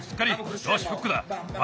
よしフックだ。